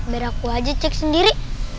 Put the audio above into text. apa apa beraku aja cek sendiri